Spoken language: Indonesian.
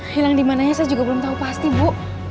hilang dimananya saya juga belum tahu pasti bu